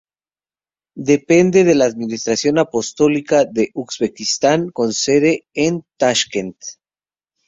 Depende de la Administración Apostólica de Uzbekistán con sede en Tashkent.